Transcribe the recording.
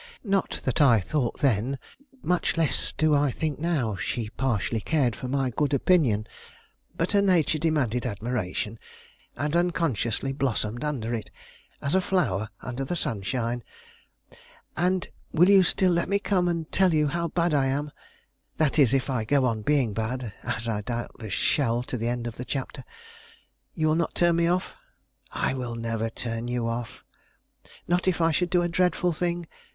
Not that I thought then, much less do I think now, she partially cared for my good opinion; but her nature demanded admiration, and unconsciously blossomed under it, as a flower under the sunshine. "And you will still let me come and tell you how bad I am, that is, if I go on being bad, as I doubtless shall to the end of the chapter? You will not turn me off?" "I will never turn you off." "Not if I should do a dreadful thing?